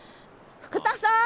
福田さん。